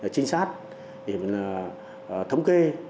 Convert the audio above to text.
chính xác thống kê